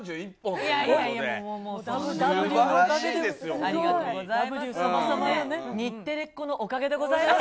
ＴＨＥＷ様様、日テレっ子のおかげでございます。